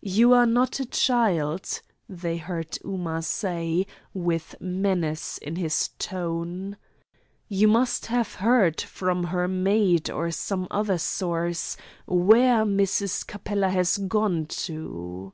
"You are not a child," they heard Ooma say, with menace in his tone. "You must have heard, from her maid or some other source, where Mrs. Capella has gone to?"